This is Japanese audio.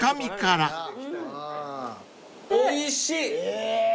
おいしい！